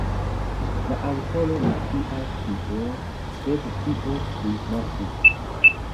La aŭtoro ne scias kie, sed tie li mortis.